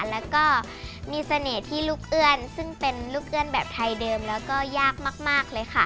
แล้วก็มีเสน่ห์ที่ลูกเอื้อนซึ่งเป็นลูกเอื้อนแบบไทยเดิมแล้วก็ยากมากเลยค่ะ